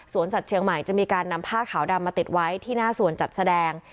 สัตว์เชียงใหม่จะมีการนำผ้าขาวดำมาติดไว้ที่หน้าสวนจัดแสดง